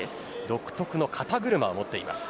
独特の肩車を持っています。